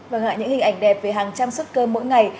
vâng ạ những hình ảnh đẹp về hàng trăm suất cơm mỗi ngày